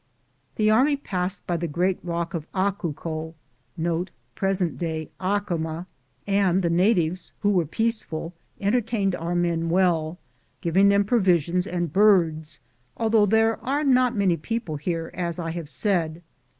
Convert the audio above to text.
The army passed by the great rock of Acuco, and the natives, who were peaceful, entertained our men well, giv ing them provisions and birds, although there are not many people here, as I have said.